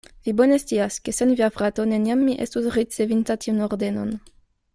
Vi bone scias, ke sen via frato neniam mi estus ricevinta tiun ordenon.